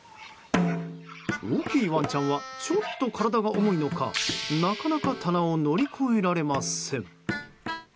大きいワンちゃんはちょっと体が重いのかなかなか棚を乗り越えられません。